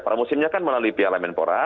pramusimnya kan melalui piala menpora